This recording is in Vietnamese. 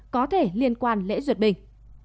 có thể liên quan lễ duyệt binh